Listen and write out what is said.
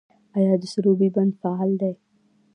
آیا د سروبي بند فعال دی؟